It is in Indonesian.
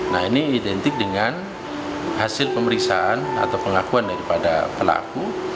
nah ini identik dengan hasil pemeriksaan atau pengakuan daripada pelaku